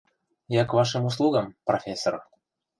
Я к вашим услугам, профессор.